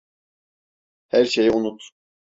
Her şeyi unut.